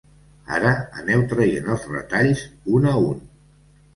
Ara aneu traient els retalls un a un.